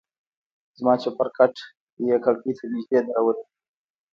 زما چپرکټ يې کړکۍ ته نژدې درولى و.